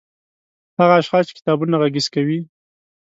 هغه اشخاص چې کتابونه غږيز کوي